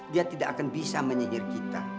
dia tidak akan bisa menyihir kita